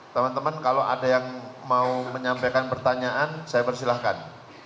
teman teman kalau ada yang mau menyampaikan pertanyaan saya persilahkan